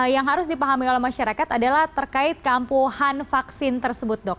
yang harus dipahami oleh masyarakat adalah terkait kampuhan vaksin tersebut dok